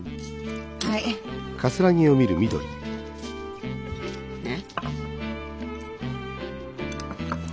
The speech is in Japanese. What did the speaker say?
はい。ね？